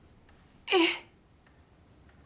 えっ。